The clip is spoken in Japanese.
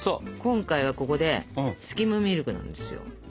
今回はここでスキムミルクなんですよ。えっ？